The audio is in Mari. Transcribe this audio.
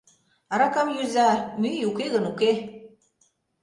— Аракам йӱза, мӱй уке гын, уке...